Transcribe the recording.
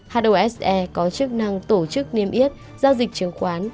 hose có chức năng tổ chức niêm yết giao dịch chứng khoán